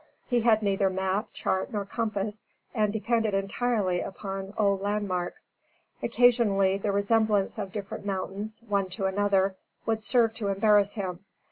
He had neither map, chart, nor compass, and depended entirely upon old landmarks. Occasionally, the resemblance of different mountains, one to another, would serve to embarrass him.